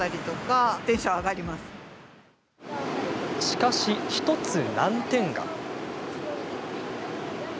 しかし、１つ難点が。